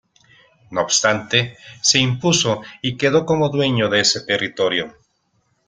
No obstante, se impuso y quedó como dueño de ese territorio.